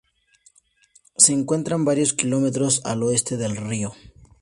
Se encuentra varios kilómetros al oeste del río St.